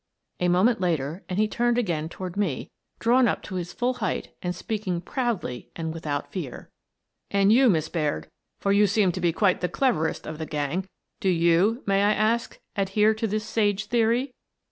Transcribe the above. A moment later and he turned again toward me, drawn up to his full height and speaking proudly and without fear. " And you, Miss Baird, — for you seem to be quite the cleverest of the gang, — do you, may I ask, adhere to this sage theory?"